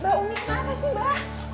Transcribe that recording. mbak umi kenapa sih mbak